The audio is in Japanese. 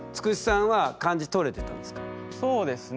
そうですね。